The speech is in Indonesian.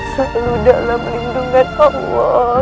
selalu dalam lindungan allah